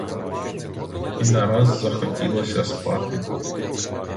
І нараз захотілося спати.